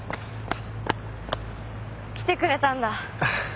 来てくれたんだ。